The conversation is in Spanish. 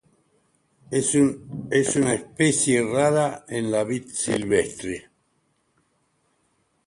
Es una especie rara en la vid silvestre.